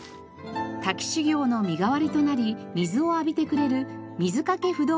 滝修行の身代わりとなり水を浴びてくれる水かけ不動明王も。